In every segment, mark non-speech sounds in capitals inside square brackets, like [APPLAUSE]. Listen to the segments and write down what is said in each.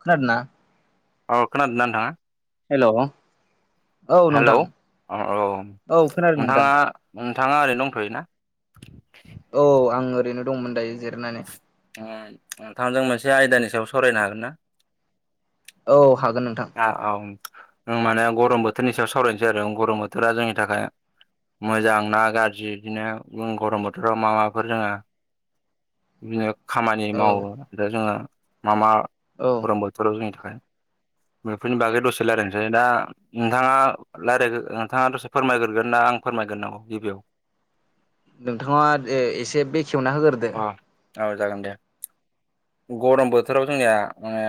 खोनादों ना? अ खोनादोंना नोंथाङा हेल' औ हेलौ नोंथां अ औ औ खोनादों नोंथां नोंथाङा नोंथाङा ओरैनो दंथ'योना औ आं ओरैनो दंमोन दायो जिरायनानै नोंथांजों मोनसे आयदानि सायाव सावरायनो हागोन ना? औ हागोन नोंथां औ माने गरम बोथोरनि सायाव सावरायनोसै आरो गरम बोथोरा जोंनि थाखाय मोजां ना गाज्रि बिदिनो गरम बोथोराव माफोर जोङो [UNINTELLIGIBLE] खामानि औ मावो आरो जोङो मा मा औ गरम बोथोराव जोंनि थाखाय बेफोरनि बागै दसे रायलायनोसै दा नोंथाङा रायलाय नोंथाङा दसे फोरमायग्रगोन ना आं फोरमायग्रोनांगौ गिबियाव नोंथाङा एसे बेखेवना होग्रोदो अ औ जागोन दे गरम बोथोराव जोंनिया माने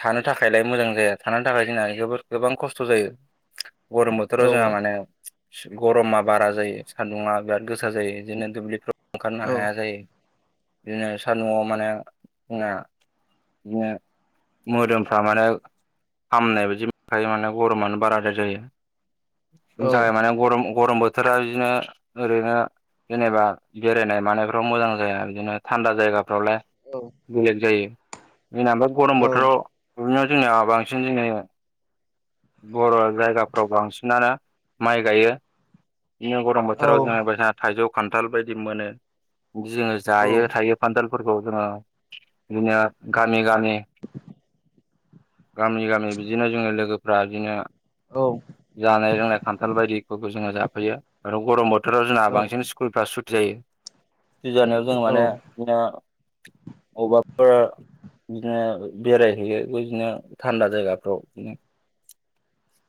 थानो थाखायलाय मोजां जाया थानो थाखाय जोंना जोबोद गोबां खस्थ' जायो गरम औ बोथोराव जोंहा माने गरमा बारा जायो सान्दुुंङा बिराद गोसा जायो बिदिनो दुब्लिफ्राव ओंखारनो औ हाया जायो बिदिनो सान्दुङाव माने जोंना बिदिनो मोदोम फ्रा माने हामनाय बायदि मोनखायो माने गरमानो बाराद्राय जायो औ जाबाय माने गरम गरम बोथोरा बिदिनो ओरैनो जेनेबा बेरायनाय मानायफ्राव मोजां जाया बिदिनो थान्दा जायगा ल बुलेट जायो जोंना गरम औ बोथोराव [UNINTELLIGIBLE] बिदिनो जोंना बांसिन जोङो बर' जायगाफ्राव बांसिनानो माइ गायो बिदिनो गरम औ बोथोराव जों थाइजौ खान्थाल बायदि मोनो जोङो जायो थायो बान्दोल फोरखौ जोङो बिदिनो गामि गामि गामि गामि बिदिनो जोङो लोगोफ्रा बिदिनो औ। जानाय लोंनाय खान्थाल बायदिखौबो जोङो जाफैयो आरो गरम बोथोराव जोंहा औ बांसिन स्कुलफ्रा सु जायो दै जानायाव जों माने बिदिनो अबबाफोरा बिदिनो बेरायहैयो। बे बिदिनो थान्दा जायगाफ्राव बिदिनो।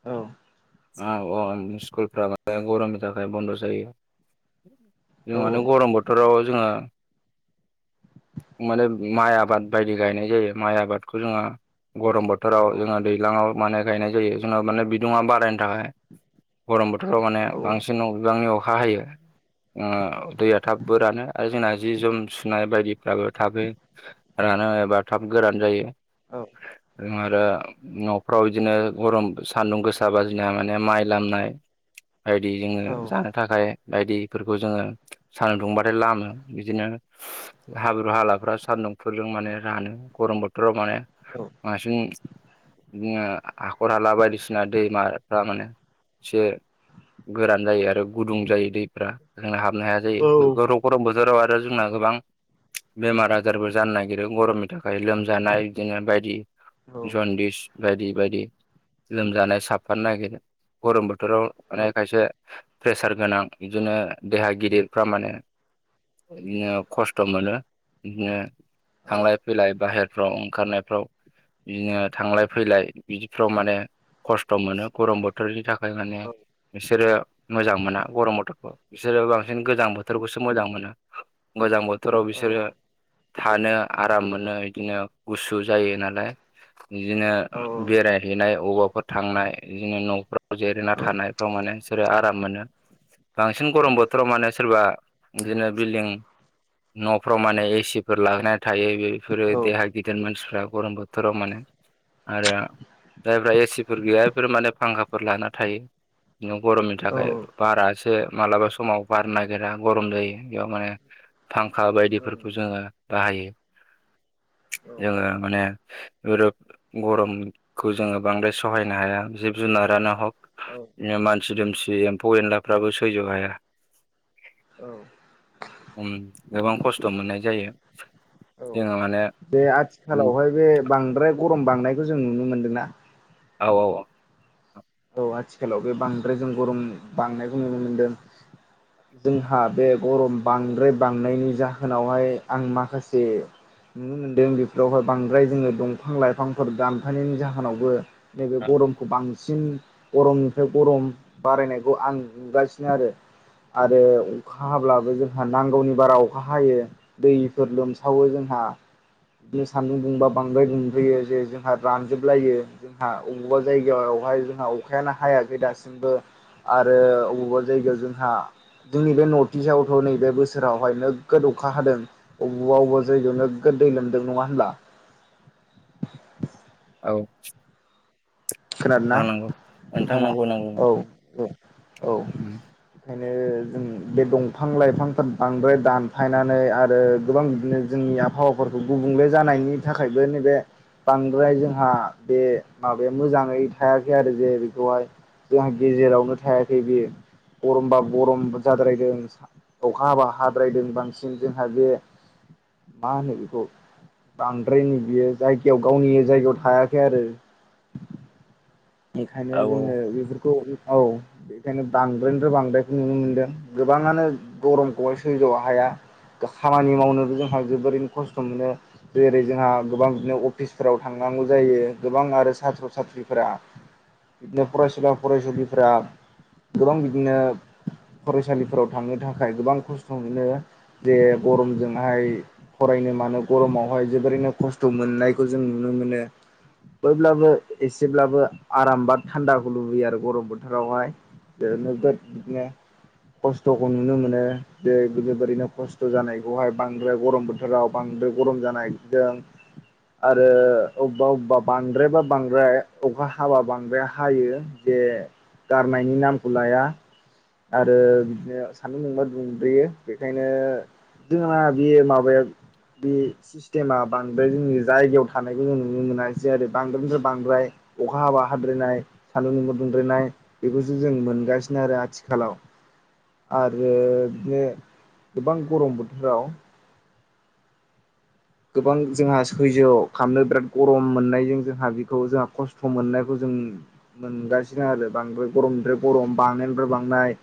औ। औ स्कुलफाय गरमनि थाखाय बन्द' जायो। जों मानोे गरम बोथोराव जोङो। माने माइ आबाद बायदि गायनाय जायो माइ आबादखौ जोंहा गरम बोथोराव जोङो औ दैज्लाङाव माने गायनाय जायो जोंङो माने बिदुङा बारायनो थाखाय। गरम बोथोराव माने बांसिन' बिबांनि अखा हायो। दैया थाबबो रानो आरो जोंना जि जोम सुनाय बायदिफ्राबो थाबो आरो जानो हायाबा थाब गोरान जायो। औ आरो न'फ्राव बिदिनो गरम सान्दुं गोसाब जोंया माने माइ लामनाय बायदि जोङो जानो थाखाय बायदिफोरखौ जोङो सान्दुंबाथाय लामो बिदिनो हाब्रु हालाफ्रा सान्दुंफोरजों माने रानो। गरम बोथोराव माने बांसिन बिदिनो हाखर हाला बायदिसिना दैमाफ्रा माने एसे गोरान जायो आरो गुदुं जायो दैफ्रा जोंना हाबनो हाया जायो गरम गरम बोथोराव आरो रो जोंना गोबां बेमार आजारबो जानो नागिरो गरमनि थाखाय लोमजानाय बिदिनो बायदि जनदिस बायदि बेबायदि लोमजानाय साफफानो नागिरो गरम बोथोराव माने खायसे प्रेसार गोनां बिदिनो देहा गिदिरफ्रा माने बिदिनो खस्थ' मोनो बिदिनो थांलाय औ फैलाय बाहेरफ्राव। खारनायफ्राव। बिदिनो थांलाय फैलाय बिदिफ्राव माने खस्थ' मोनो गरम बोथोरनि थाखाय माने बिसोरो मोजां मोना गरम मथरखौ बिसोरो बांसिन गोजां बोथोरखौसो मोजां मोनो। गोजां बोथोराव बिसोरो थानो आराम मोनो बिदिनो गुसु जायो नालाय। बिदिनो बेरायहैनाय अबावबाफोर थांनाय बिदिनो न'फ्राव जिरायना थानायफ्राव माने बिसोरो आराम मोनो बांसिन गरम बोथोराव माने सोरबा बिदिनो बिल्डिं न'फ्राव माने एसिफोर लागायनानै थायो बेफोरो देहा गिदिर मानसिफ्रा गरम बोथोराव माने। आरो जायफ्रा एसिफोर गैया बेफोरो माने फांखाफोर लाना थायो। न गरमनि थाखाय बारासो मालाबा समाव बार नागिरा गरम जायो बेयाव माने फांखा बायदिफोरखौ जोङो बाहायो। जोङो माने गरमखौ जोङो बांद्राय सहायनो हाया ज जुनारायाना हक बिदिनो मानसि दुमसि एम्फौ एनलाफ्राबो सैज' हाया। औ। गोबां खस्थ' मोननाय जायो औ जोङो माने बे उम आथिखालावहाय बे बांद्राय गरम बांनायखौ जों नुनो मोनदोंना। औ औ औ। औ आथिखालाव बे बांद्राय जों गरम बांनायखौ नुनो मोनदों। जोंहा बे गरम बांद्राय बांनायनि जाहोनावहाय आं माखासे नुनो मोन्दों बेफोरावहाय बांद्राय जोङो दंफां लाइफांफोर दानफायनायनि जाहोनावबो नैबे औ गरमखौ बांसिन गरमनिफ्राय गरम बारायनायखौ आं नुगासिनो आरो आरो अखा हाब्लाबो जोंहा नांगौनि बारा अखा हायो दैफोर लोमसावो जों ह बि सान्दों दुंबा बांद्राय मोनंफैयो जे जोंहा रानजोबलायो जोंहा अबावबा जायगायाव हाय जोंनाव अखायानो हायाखै दासिमबो आरो अबेबा जायगायाव जोंहा जोंनि बे नर्थ इस्टआव नैबे बोसोरावहाय नोगोद अखा हादों अबेवबा अबेबा जायगायाव नोगोद दै लोमदों नङा होनब्ला औ खोनादोना थांनांगौ नोंथां नोंथाङा नंगौ नंगौ नंगौ औ नोंथां औ औ उम बे दंफां लाइफां बांद्राय दानफायनानै आरो गोबां बिदिनो जोंनि हा पावाफोरखौ गुबुंले जानायनि थाखायबो नैबे बांद्राय जोंहा बे माबायाव मोजाङै थायाखै आरो जे बेखौहाय जोंहा गेजेरावनो थायाखै बियो गरमबा गरम जाद्रायदों अखा हाबा हाद्रायदों बांसिन जोंहा बे मा होनो बिखौ बांद्राय नै बियो जायगायाव गावनि जायगायाव थायाखै आरो बेखायनो औ जोङो बेफोरखौ औ [INAUDIBLE] बेखायनो बांद्रायनिफ्राय बांद्रायखौ नुनो मोनदों गोबाङानो गरमखौहाय सैज्य हाया खामानि मावनोबो जोंहा जोबोरैनो खस्थ' मोनो जेरै जोंहा गोबां बिदिनो अफिसफोराव थांनानै गौ जायो गोबां आरो साथ्र' सत्रिफोरा बिदिनो फरायसुला फरायसुलिफोरा गोबां बिदिनो फरायसालिफोराव थांनो थाखाय गोबां खस्थ' मोनो जे गरमजोंहाय फराय बेनो मानो गरमावहाय जोबोरैनो खस्थ' मोननायखौ जों नुनो मोनो। अब्लाबो एसेब्लाबो आरामबा थान्दाखौ लुबैयो आरो गरम बोथोरावहाय बिदिनो बिदिनो खस्थ'खौ नुनो मोनो जे गोबोरैनो खस्थ' जानायखौहाय बांद्राय गरम बोथोराव बां गरम जानाय आरो अबेबा अबेबा बांद्रायबा बांद्राय अखा हाबा बांद्राया हायो जे गारनायनि नामखौ लाया आरो बिदिनो सान्दुं नोंबा दुंद्रोयो बेखायनो जोंना बेयो माबाया बे सिस्टेमा बांद्राय जोंनि जायगायाव थानायखौ जों नुनो मोनाखासै आरो बांद्रायनिफ्राय बांद्राय अखा हाबा हाद्रायनाय सान्दुंनि मोदुंद्रायनाय बेखौसो जों मोनगासिनो आरो आथिखालाव आरो बिदिनो गोबां गरम बोथोराव गोबां जोंहा सैज खालामनो बिराद गरम मोननायजों जोंहा बेखौ जोंहा खस्थ' मोननायखौ जों मोनगासिनो आरो बांद्राय गरमनिफ्राय गरम बांनायनिफ्राय बांनाय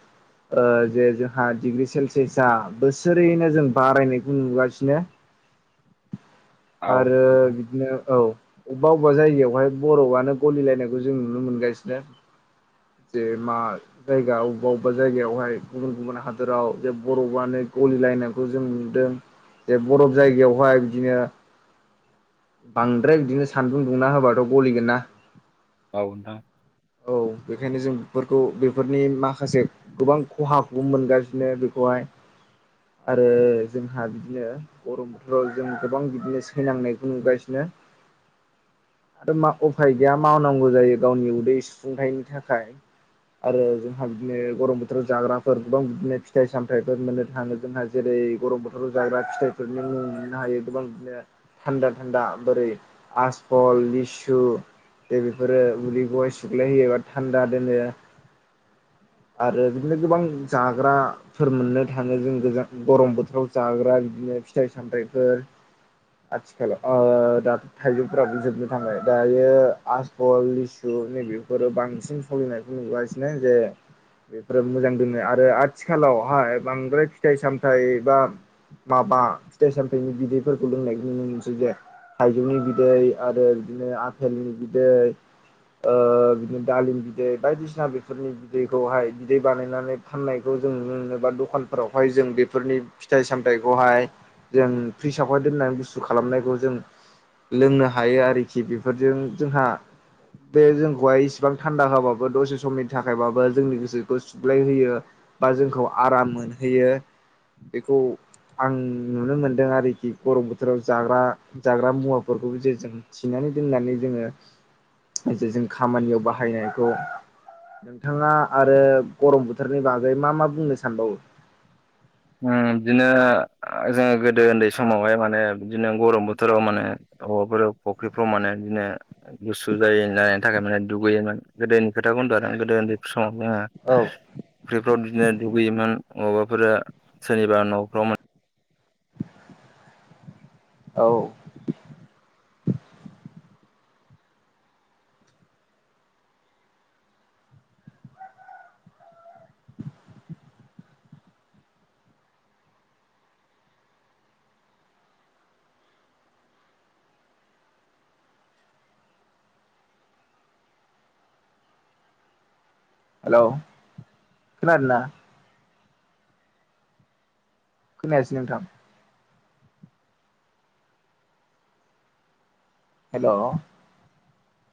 जे जोंहा डिग्रि सेलसियासा बोसोरैनो जों बारायनायखौ नुगासिनो [INAUDIBLE] औ आरो नोंथां बिदिनो औ अबेबा अबेबा जायगायावहाय बर'आनो गलिलायनायखौ जों नुनो मोनगासिनो जे मा जायगा अबेबा अबेबा जायगायावहाय गुबुन गुबुन हादोराव जे बर'आनो गलिलायनायखौ जों नुदों जे बरफ जायगायावहाय बिदिनो बांद्राय बिदिनो सानदुं दुंना होबाथ' गलिगोन ना बावदा नोंथां औ बेखायनो जों बेफोरखौ बेफोरनि माखासे गोबां खहाखौ मोनगासिनो बेखौहाय आरो जोंहा बिदिनो गरम बोथोराव जों गोबां बिदिनो सैनांनायखौ नुगासिनो आरो मा उफाय गैया मावनांगौ जायो गावनि उदै सुफुंथायनि थाखाय आरो जोंहा बिदिनो गरम बोथोराव जाग्राफोर गोबां बिदिनो फिथाइ सामथाइफोर मोननो थाङो जोंहा जेरै बे गरम बोथोराव जाग्रा फिथाइफोरनि हायो गोबां बिदिनो थान्दा थान्दा बोरै आसफल लिसु दे बेफोरो उदैखौहाय सुग्लाय होयो बा थान्दा दोनो [INAUDIBLE] आरो बिदिनो गोबां जाग्राफोर मोननो थाङो जों गोजां गरम बोथोराव जाग्रा बिदि नो फिथाइ सामथायफोर आथिखालाव ओ दाथ' थाइजौफोराबो जोबनो थांबाय, दायो आसबल, लिसु थ' नै बेफोरो बांसिन सोलिनायखौ नुगासिनो जे बेफोर मोजां दोनो आरो आथिखालावहाय बांद्राय फिथाइ सामथाइ बा माबा फिथाइ साम थाइनि बिदैफोरखौ लोंनायखौ नुनो मोनसै जे थाइजौनि बिदै आरो बिदिनो आफेलनि बिदै [UNINTELLIGIBLE] ओ बिदि दालिम बिदै बायदिसिना बेफोरनि बिदैखौहाय बिदै बानायनानै फाननायखौ जों नुनो मोनो बा दखानफोरावहाय जों बेफोरनि फिथाइ सामथाइखौहाय जों फ्रिसावहाय दोननानै गुसु खालामनायखौ जों लोंनो हायो आरोखि बेफोरजों जोंहा बे जोंखौहाय इसिबां थान्दा होआबाबो दसे समनि थाखायबाबो जोंनि गोसोखौ सुग्लायहोयो बा जोंखौ आराम मोनहैयो बेखौ आं नुनो मोन्दों आरोखि। गरम बोथोराव जाग्रा जाग्रा मुवाफोरखौबो जे जों थिनानै दोननानै जों ओ खामानियाव बाहायनायखौ नोंथाङा आरो गरम बोथोरनि बागै मा मा बुंनो सानबावो? ओम बिदिनो ओ जोङो गोदो उन्दै समावहाय माने बिदिनो गरम बोथोराव माने [UNINTELLIGIBLE] फुख्रिफ्राव माने बिदिनो गुसु जायो जानायनि थाखाय माने दुगैयोमोन गोदोनि खोथा [UNINTELLIGIBLE] गोदो उन्दै समाव जोङो औ फख्रिफ्राव बिदिनो दुगैयोमोन अबावबाफोर सोरनिबा न'फ्राव औ हेल' खोनादोंना? खोनायासै नोंथां। हेल'?